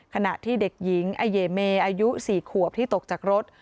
ขณะที่เด็กหญิงอเยเมอายุ๔ขวบที่ตกจากรถ